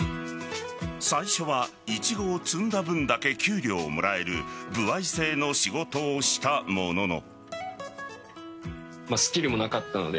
最初はイチゴを摘んだ分だけ給料をもらえる歩合制の仕事をしたものの。